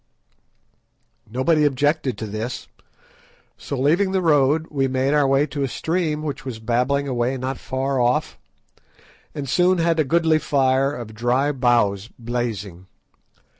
Nobody objected to this, so leaving the road we made our way to a stream which was babbling away not far off, and soon had a goodly fire of dry boughs blazing.